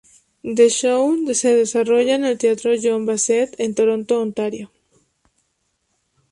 The show se desarrolla en el Teatro John Bassett en Toronto, Ontario.